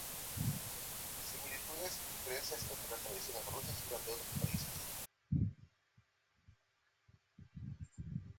Similitudes y diferencias entre las tradiciones rusas y las de los otros países